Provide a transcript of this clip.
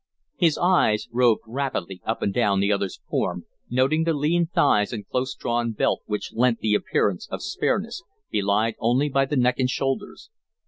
His eyes roved rapidly up and down the other's form, noting the lean thighs and close drawn belt which lent the appearance of spareness, belied only by the neck and shoulders.